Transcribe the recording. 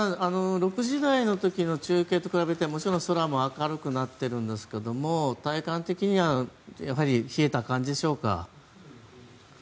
６時台の時の中継と比べて空も明るくなっているんですけれども体感的には冷えた感じでしょうか？